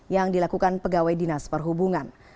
yang dilakukan pegawai dinas perhubungan